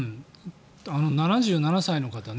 ７７歳の方ね。